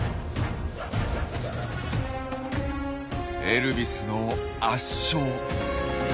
エルビスの圧勝。